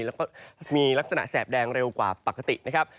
แล้วก็มีลักษณะแสบแดงเร็วกว่าปกตินะครับ